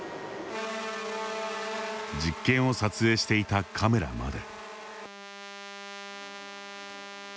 実験を撮影していたカメラまで。